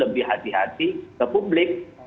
lebih hati hati ke publik